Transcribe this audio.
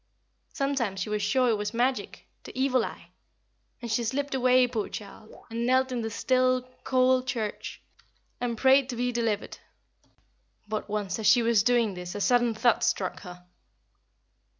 Sometimes she was sure it was magic the evil eye. And she slipped away, poor child! and knelt in the still, cool church, and prayed to be delivered. But once as she was doing this a sudden thought struck her.